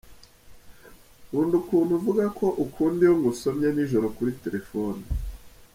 Nkunda ukuntu uvuga ko ukunda iyo ngusomye nijoro kuri telefone.